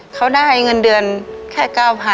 เขาได้เงินเดือนแค่๙๐๐